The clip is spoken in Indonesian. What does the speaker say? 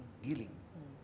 kalau kering giling